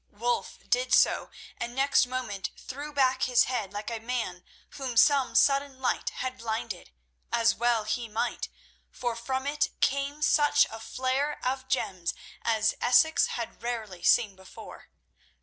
Wulf did so, and next moment threw back his head like a man whom some sudden light had blinded, as well he might, for from it came such a flare of gems as Essex had rarely seen before.